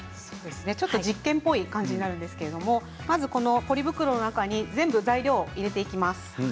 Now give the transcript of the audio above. ちょっと実験っぽい感じになるんですがポリ袋の中に全部材料を入れていきます。